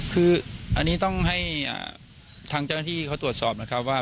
คืออันนี้ต้องให้ทางเจ้าหน้าที่เขาตรวจสอบนะครับว่า